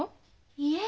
いえ。